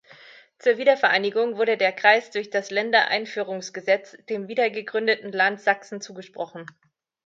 Zur Wiedervereinigung wurde der Kreis durch das Ländereinführungsgesetz dem wiedergegründeten Land Sachsen zugesprochen.